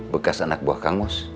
bekas anak buah kangmus